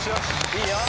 いいよ！